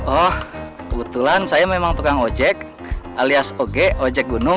oh kebetulan saya memang tukang ojek alias oge ojek gunung